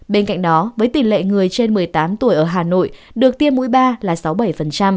bên cạnh đó với tỷ lệ người trên một mươi tám tuổi ở hà nội được tiêm mũi ba là sáu mươi bảy